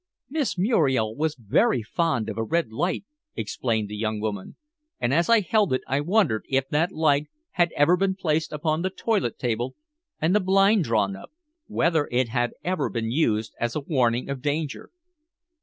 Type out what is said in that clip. "Miss Muriel was very fond of a red light," explained the young woman; and as I held it I wondered if that light had ever been placed upon the toilet table and the blind drawn up whether it had ever been used as a warning of danger?